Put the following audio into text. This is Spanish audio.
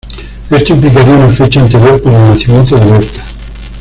Esto implicaría una fecha anterior para el nacimiento de Berta.